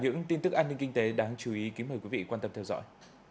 mở đầu sẽ là những tin tức an ninh kinh tế đáng chú ý kính mời quý vị quan tâm theo dõi